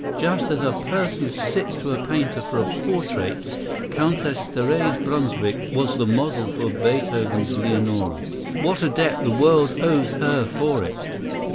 Just as a person sits to a painter for a portrait, Countess Therese Brunswick was the model for Beethoven's Leonore. What a debt the world owes her for it!"